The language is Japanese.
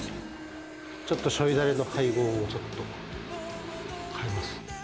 ちょっとしょうゆだれの配合を、ちょっと変えます。